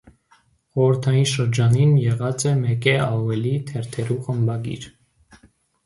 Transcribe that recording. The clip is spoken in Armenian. Խորհրդային շրջանին եղած է մէկէ աւելի թերթերու խմբագիր։